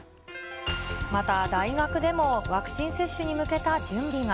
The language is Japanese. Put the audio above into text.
また、大学でも、ワクチン接種に向けた準備が。